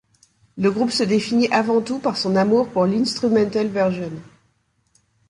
Le groupe se définit avant tout par son amour pour l’instrumental version.